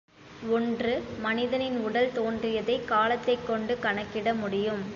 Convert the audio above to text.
ஒன்று மனிதனின் உடல் தோன்றியதை காலத்தைக் கொண்டு கணக்கிட முடியும்.